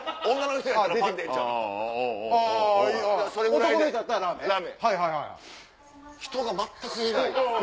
人が全くいない。